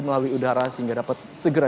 melalui udara sehingga dapat segera